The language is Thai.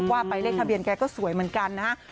ว่าไปเลขทะเบียนแกก็สวยเหมือนกันนะฮะ